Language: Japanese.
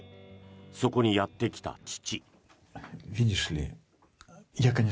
そこにやってきた父。